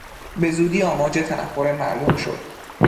به زودی آماج تنفر مردم شد.